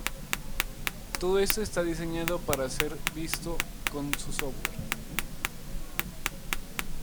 Todo esto es diseñado para ser visto con su software.